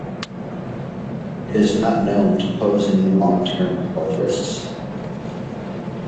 It is not known to pose any long-term health risks.